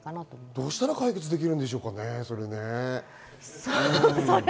どうしたら解決できるんですかね？